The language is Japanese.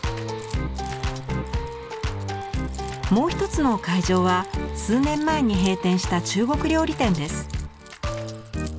もう一つの会場は数年前に閉店した中国料理店です。